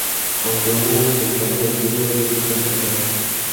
Aunque hubo un intercambio de anillo, ellos nunca se casaron.